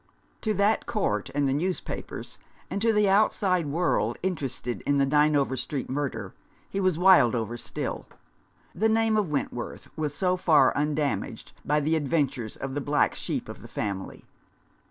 To that Court and the newspapers, and to the outside world interested in the Dynevor Street murder, he was Wildover still. The name of Wentworth was so far undamaged by the adven tures of the black sheep of the family.